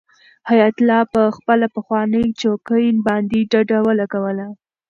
حیات الله په خپله پخوانۍ چوکۍ باندې ډډه ولګوله.